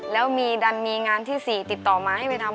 แล้วมีดันมีงานที่๔ติดต่อมาให้ไปทำ